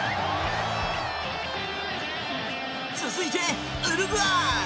続いて、ウルグアイ。